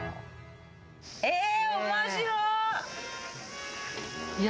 え、面白い。